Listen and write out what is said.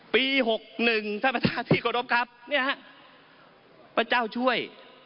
ปี๖๑ท่านประธานที่กรมครัพพเจ้าช่วย